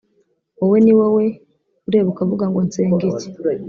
wowe ni wowe ureba ukavuga ngo nsenga iki